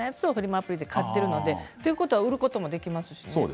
アプリで買っているのでということは売ることもできるんですね。